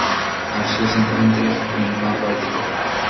Al sur se encuentra con el Mar Báltico.